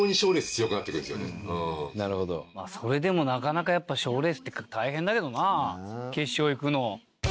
それでもなかなかやっぱり賞レースって大変だけどな決勝いくの。